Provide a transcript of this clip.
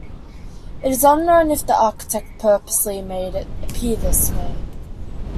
It is unknown if the architect purposely made it appear this way.